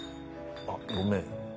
あっごめん。